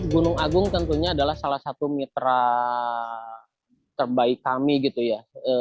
gunung agung tentunya adalah salah satu mitra terbaik kami gitu ya